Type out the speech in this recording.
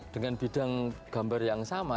dengan bidang gambar yang sama